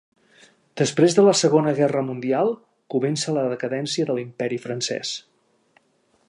Després de la Segona Guerra Mundial, comença la decadència de l'imperi francès.